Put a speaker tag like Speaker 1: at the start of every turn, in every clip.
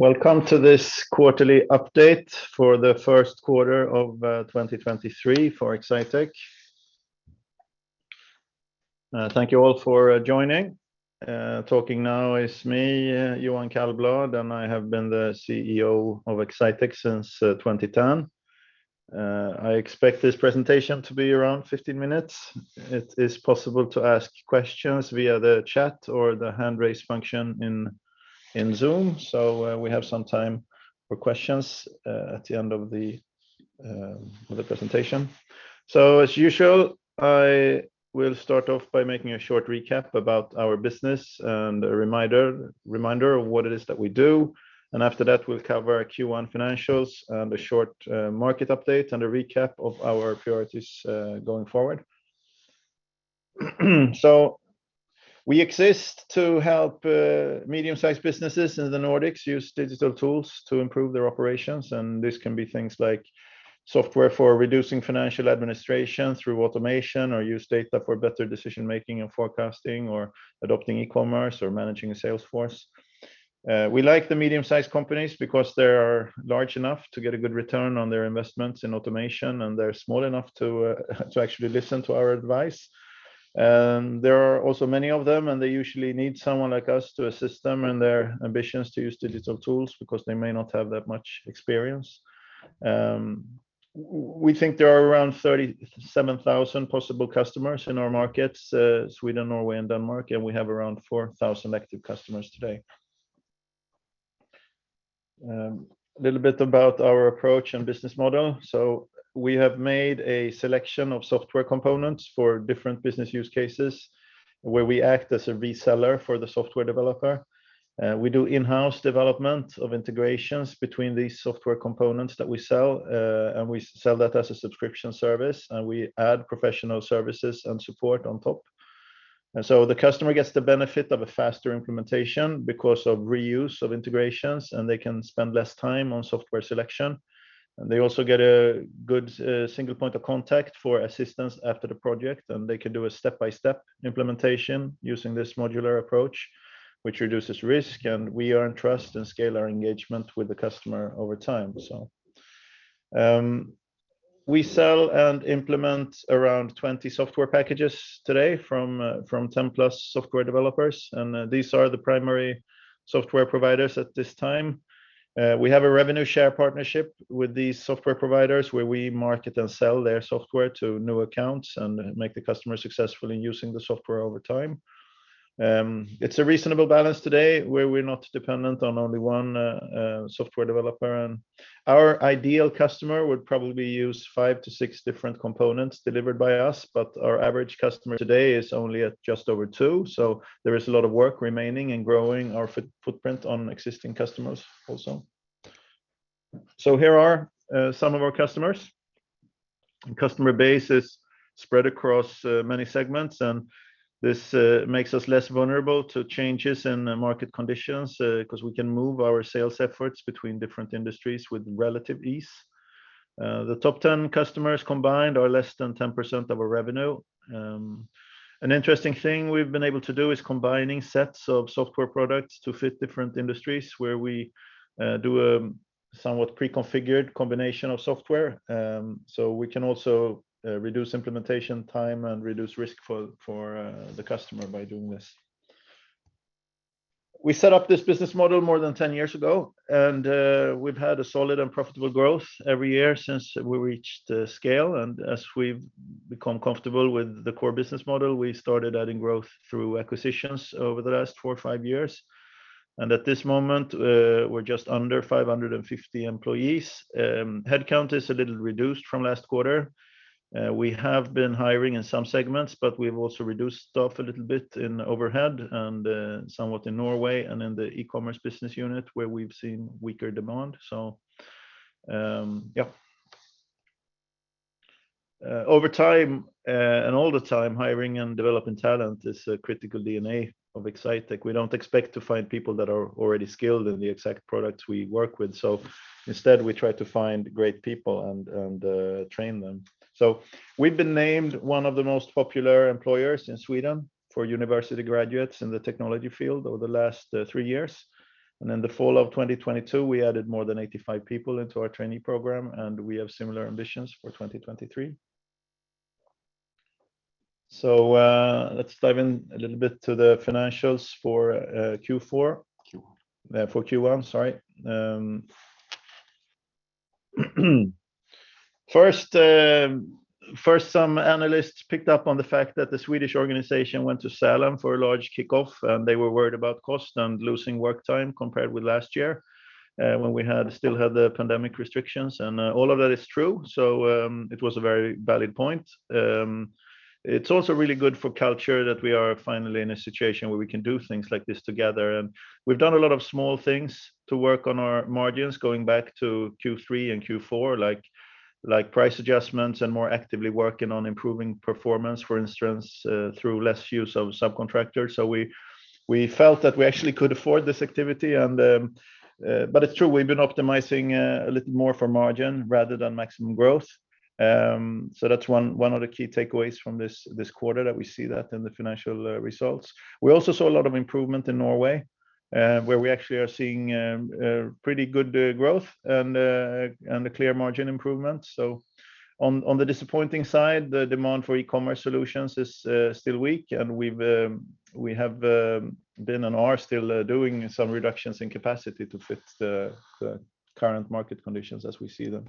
Speaker 1: Welcome to this quarterly update for the Q1 of 2023 for Exsitec. Thank you all for joining. Talking now is me, Johan Källblad, and I have been the CEO of Exsitec since 2010. I expect this presentation to be around 15 minutes. It is possible to ask questions via the chat or the hand raise function in Zoom. We have some time for questions at the end of the presentation. As usual, I will start off by making a short recap about our business and a reminder of what it is that we do, and after that, we'll cover our Q1 financials and a short market update and a recap of our priorities going forward. We exist to help medium-sized businesses in the Nordics use digital tools to improve their operations, and this can be things like software for reducing financial administration through automation, using data for better decision-making and forecasting, or adopting e-commerce, or managing a sales force. We like the medium-sized companies because they are large enough to get a good return on their investments in automation, and they're small enough to actually listen to our advice. There are also many of them, and they usually need someone like us to assist them in their ambitions to use digital tools because they may not have that much experience. We think there are around 37,000 possible customers in our markets, Sweden, Norway, and Denmark, and we have around 4,000 active customers today. A little bit about our approach and business model. We have made a selection of software components for different business use cases where we act as a reseller for the software developer. We do in-house development of integrations between these software components that we sell, and we sell that as a subscription service, and we add professional services and support on top. The customer gets the benefit of a faster implementation because of the reuse of integrations, and they can spend less time on software selection. They also get a good single point of contact for assistance after the project, and they can do a step-by-step implementation using this modular approach, which reduces risk, and we earn trust and scale our engagement with the customer over time. We sell and implement around 20 software packages today from 10 plus software developers, these are the primary software providers at this time. We have a revenue share partnership with these software providers where we market and sell their software to new accounts and make the customer successful in using the software over time. It's a reasonable balance today where we're not dependent on only one software developer. Our ideal customer would probably use 5-6 different components delivered by us, but our average customer today is only at just over 2. There is a lot of work remaining in growing our footprint on existing customers, also. Here are some of our customers. Customer base is spread across many segments, and this makes us less vulnerable to changes in the market conditions, cause we can move our sales efforts between different industries with relative ease. The top 10 customers combined are less than 10% of our revenue. An interesting thing we've been able to do is combine sets of software products to fit different industries, where we do a somewhat pre-configured combination of software. So we can also reduce implementation time and reduce risk for the customer by doing this. We set up this business model more than 10 years ago, and we've had solid and profitable growth every year since we reached the scale. As we've become comfortable with the core business model, we started adding growth through acquisitions over the last 4 to 5 years. At this moment, we're just under 550 employees. Head count is a little reduced from last quarter. We have been hiring in some segments, but we've also reduced staff a little bit in overhead and somewhat in Norway and in the e-commerce business unit, where we've seen weaker demand. Yeah. Over time, and all the time, hiring and developing talent is a critical DNA of Exsitec. We don't expect to find people who are already skilled in the exact products we work with, so instead, we try to find great people and train them. We've been named one of the most popular employers in Sweden for university graduates in the technology field over the last three years. In the fall of 2022, we added more than 85 people to our trainee program, and we have similar ambitions for 2023. Let's dive in a little bit to the financials for Q4. For Q1, sorry. First, some analysts picked up on the fact that the Swedish organization went to Salem for a large kickoff; they were worried about cost and losing work time compared with last year, when we still had the pandemic restrictions. All of that is true; it was a very valid point. It's also really good for culture that we are finally in a situation where we can do things like this together. We've done a lot of small things to work on our margins, going back to Q3 and Q4, like price adjustments and more actively working on improving performance, for instance, through less use of subcontractors. We felt that we actually could afford this activity. It's true, we've been optimizing a little more for margin rather than maximum growth. That's one of the key takeaways from this quarter that we see in the financial results. We also saw a lot of improvement in Norway, where we are actually seeing pretty good growth and a clear margin improvement. On the disappointing side, the demand for e-commerce solutions is still weak, and we've been and are still doing some reductions in capacity to fit the current market conditions as we see them.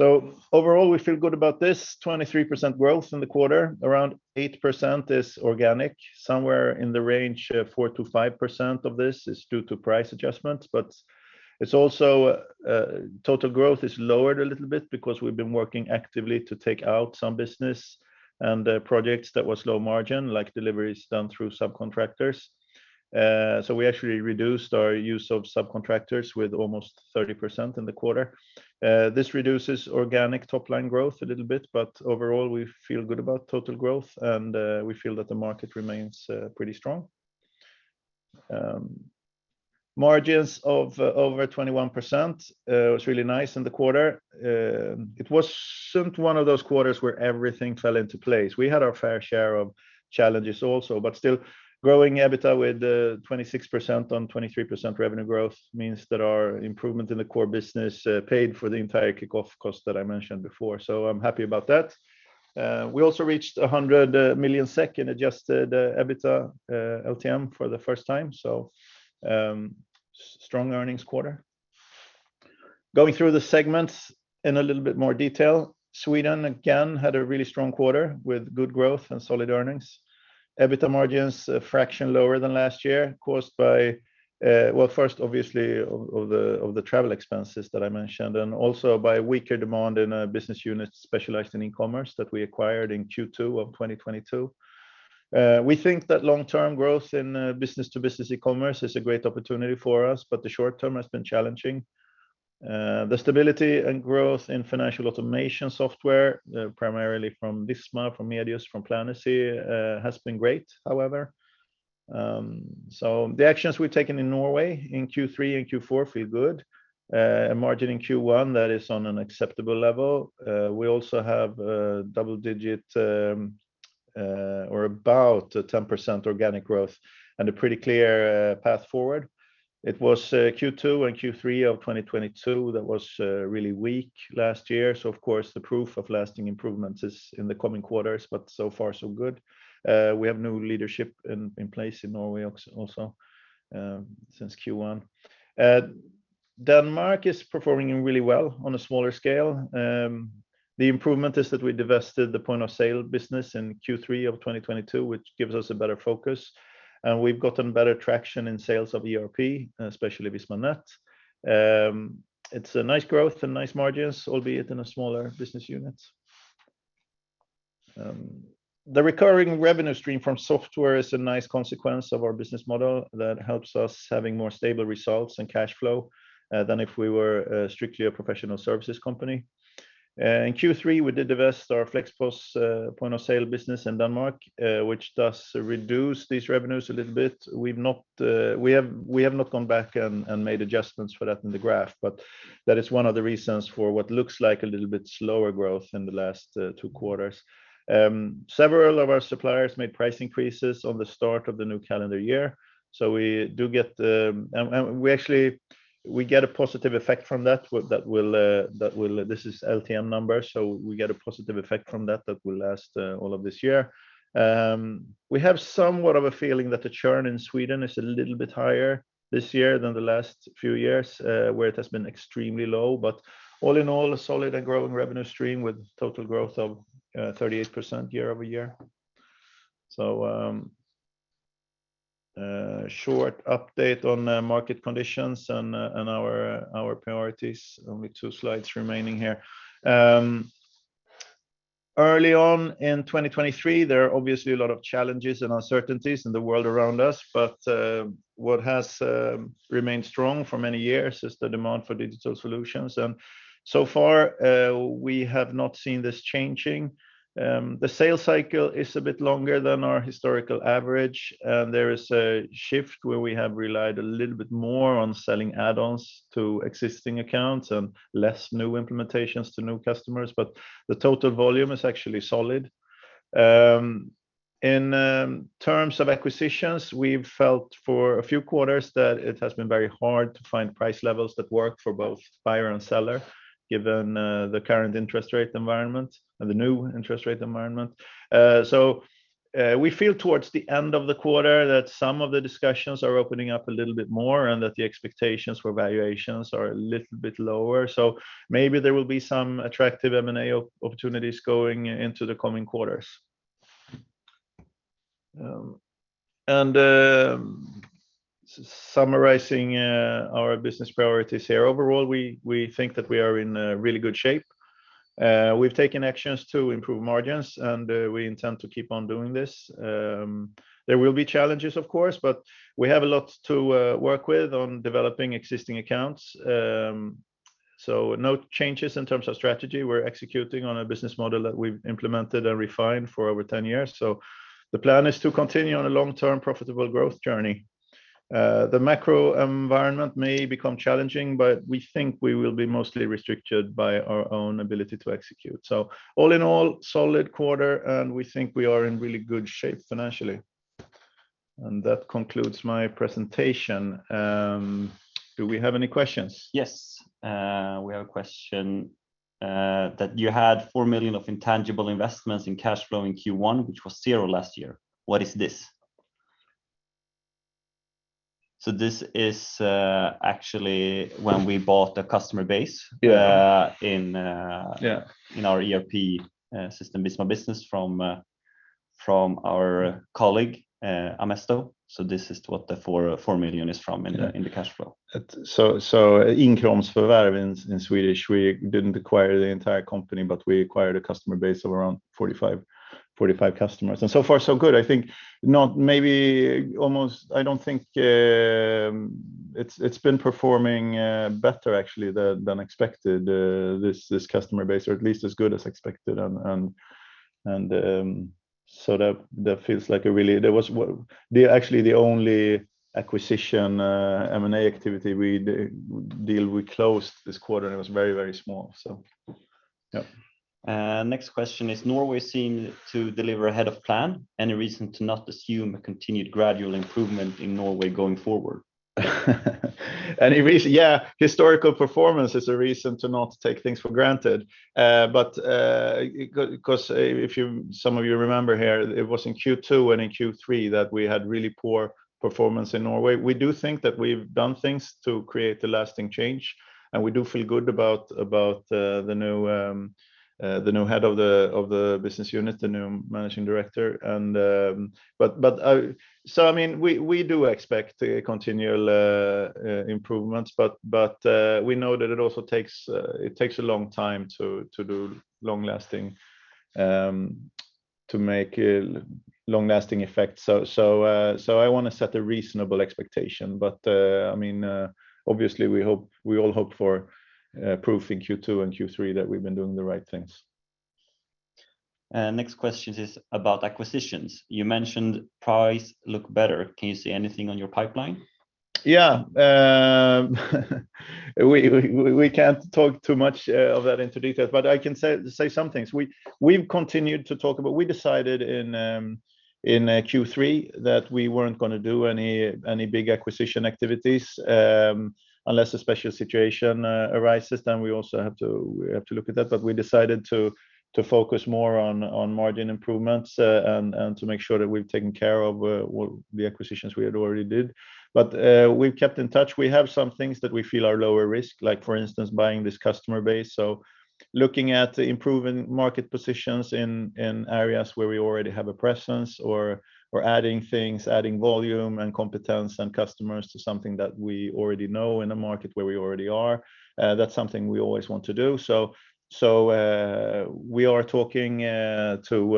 Speaker 1: Overall, we feel good about this. 23% growth in the quarter. Around 8% is organic. Somewhere in the range of 4%-5% of this is due to price adjustments. Its total growth is also lowered a little bit because we've been working actively to take out some business and projects that were low margin, like deliveries done through subcontractors. So we actually reduced our use of subcontractors by almost 30% in the quarter. This reduces organic top-line growth a little bit, but overall, we feel good about total growth, and we feel that the market remains pretty strong. Margins of over 21% was really nice in the quarter. It wasn't one of those quarters where everything fell into place. We had our fair share of challenges also, but still growing EBITDA with 26% on 23% revenue growth means that our improvement in the core business paid for the entire kickoff cost that I mentioned before. I'm happy about that. We also reached 100 million SEK in adjusted EBITDA LTM for the first time. Strong earnings quarter. Going through the segments in a little bit more detail. Sweden, again, had a really strong quarter with good growth and solid earnings. EBITDA margins are a fraction lower than last year, caused by first, obviously, the travel expenses that I mentioned, and also by weaker demand in a business unit specialized in e-commerce that we acquired in Q2 of 2022. We think that long-term growth in business-to-business e-commerce is a great opportunity for us, but the short term has been challenging. The stability and growth in financial automation software, primarily from Visma, from Medius, and from Planacy, has been great, however. The actions we've taken in Norway in Q3 and Q4 feel good. A margin in Q1 is at an acceptable level. We also have double-digit, or about 10%, organic growth and a pretty clear path forward. It was Q2 and Q3 of 2022 that were really weak last year. Of course, the proof of lasting improvements is in the coming quarters, but so far, so good. We have new leadership in place in Norway since Q1. Denmark is performing really well on a smaller scale. The improvement is that we divested the point of sale business in Q3 of 2022, which gives us a better focus, and we've gotten better traction in sales of ERP, especially Visma.net. It's a nice growth and nice margins, albeit in a smaller business unit. The recurring revenue stream from software is a nice consequence of our business model that helps us have more stable results and cash flow than if we were strictly a professional services company. In Q3, we divested our FlexPOS point of sale business in Denmark, which reduced these revenues a little bit. We have not gone back and made adjustments for that in the graph, but that is one of the reasons for what looks like a little bit slower growth in the last 2 quarters. Several of our suppliers made price increases at the start of the new calendar year, and we do get the. We actually, we get a positive effect from that that will, that will, this is LTM numbers, so we get a positive effect from that that will last all of this year. We have somewhat of a feeling that the churn in Sweden is a little bit higher this year than in the last few years, where it has been extremely low. All in all, a solid and growing revenue stream with total growth of 38% year-over-year. Short update on market conditions and our priorities. Only two slides remaining here. Early in 2023, there are obviously a lot of challenges and uncertainties in the world around us, but what has remained strong for many years is the demand for digital solutions. So far, we have not seen this changing. The sales cycle is a bit longer than our historical average. There is a shift where we have relied a little bit more on selling add-ons to existing accounts and less new implementations to new customers, but the total volume is actually solid. In terms of acquisitions, we've felt for a few quarters that it has been very hard to find price levels that work for both buyer and seller, given the current interest rate environment and the new interest rate environment. We feel towards the end of the quarter that some of the discussions are opening up a little bit more and that the expectations for valuations are a little bit lower. Maybe there will be some attractive M&A opportunities going into the coming quarters. Summarizing our business priorities here. Overall, we think that we are in a really good shape. We've taken actions to improve margins, and we intend to keep on doing this. There will be challenges, of course, but we have a lot to work with on developing existing accounts. No changes in terms of strategy. We're executing on a business model that we've implemented and refined for over 10 years. The plan is to continue on a long-term profitable growth journey. The macro environment may become challenging, but we think we will be mostly restricted by our own ability to execute. All in all, solid quarter, and we think we are in really good shape financially. That concludes my presentation. Do we have any questions?
Speaker 2: Yes. We have a question that you had 4 million of intangible investments in cash flow in Q1, which was 0 last year. What is this? This is actually when we bought the customer base in our ERP system, Visma Business, from our colleague Amesto. So this is what the 4 million is from in the cash flow.
Speaker 1: In Swedish, we didn't acquire the entire company, but we acquired a customer base of around 45 customers. So far so good. I think not maybe almost. I don't think it's been performing better actually than expected this customer base or at least as good as expected and so that feels like a really. There was actually the only acquisition M&A activity deal we closed this quarter, and it was very, very small.
Speaker 2: Next question is Norway seem to deliver ahead of plan. Any reason to not assume a continued gradual improvement in Norway going forward?
Speaker 1: Any reason? Yeah. Historical performance is a reason to not take things for granted. 'Cause if you, some of you remember here, it was in Q2 and in Q3 that we had really poor performance in Norway. We do think that we've done things to create a lasting change, and we do feel good about the new, the new head of the business unit, the new managing director. I mean, we do expect a continual improvements, but we know that it also takes a long time to do long-lasting to make a long-lasting effect. I wanna set a reasonable expectation. I mean, obviously, we hope, we all hope for proof in Q2 and Q3 that we've been doing the right things.
Speaker 2: Next question is about acquisitions. You mentioned price look better. Can you say anything on your pipeline?
Speaker 1: Yeah. We can't talk too much of that into detail, but I can say some things. We've continued to talk about We decided in Q3 that we weren't gonna do any big acquisition activities unless a special situation arises, then we also have to look at that. We decided to focus more on margin improvements and to make sure that we've taken care of the acquisitions we had already did. We've kept in touch. We have some things that we feel are lower risk, like for instance, buying this customer base. Looking at improving market positions in areas where we already have a presence or we're adding things, adding volume, competence and customers to something that we already know in a market where we already are, that's something we always want to do. We are talking to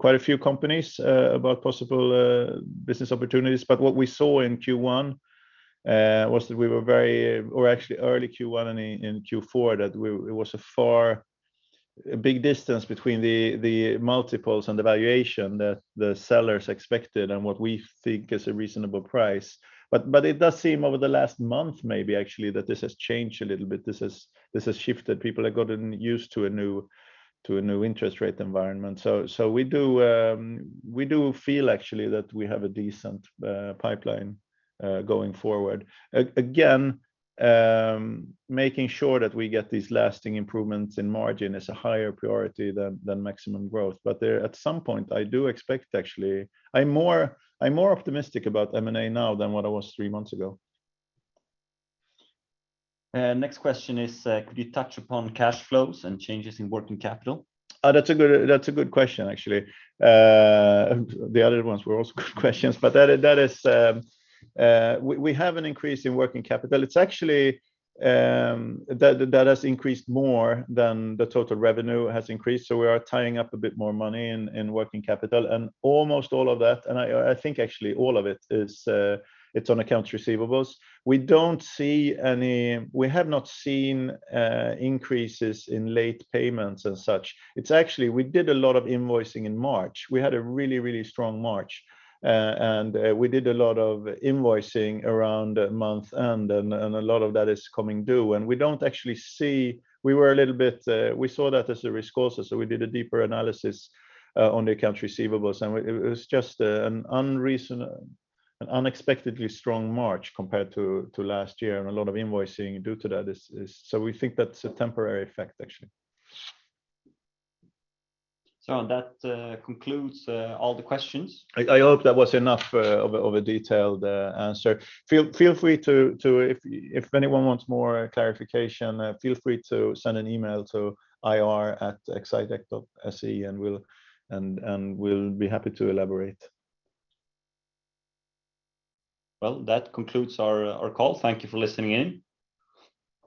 Speaker 1: quite a few companies about possible business opportunities. What we saw in Q1 was that we were very or actually early Q1 and in Q4, that it was a far, a big distance between the multiples and the valuation that the sellers expected and what we think is a reasonable price. It does seem over the last month, maybe actually, that this has changed a little bit. This has shifted. People have gotten used to a new interest rate environment. We do feel actually that we have a decent pipeline going forward. Again, making sure that we get these lasting improvements in margin is a higher priority than maximum growth. There, at some point, I do expect actually. I'm more optimistic about M&A now than what I was three months ago.
Speaker 2: Next question is, could you touch upon cash flows and changes in working capital?
Speaker 1: That's a good question, actually. The other ones were also good questions, but that is we have an increase in working capital. It's actually that has increased more than the total revenue has increased, so we are tying up a bit more money in working capital. Almost all of that, and I think actually all of it is it's on accounts receivables. We have not seen increases in late payments and such. It's actually, we did a lot of invoicing in March. We had a really, really strong March, and we did a lot of invoicing around month, and a lot of that is coming due. We don't actually. We were a little bit, we saw that as a risk also, so we did a deeper analysis on the accounts receivables, and it was just an unexpectedly strong March compared to last year, and a lot of invoicing due to that. We think that's a temporary effect, actually.
Speaker 2: That concludes all the questions.
Speaker 1: I hope that was enough of a detailed answer. Feel free to ask if anyone wants more clarification; feel free to send an email to ir@exsitec.se, and we'll be happy to elaborate.
Speaker 2: Well, that concludes our call. Thank you for listening in.